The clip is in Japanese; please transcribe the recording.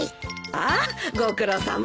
ああご苦労さま。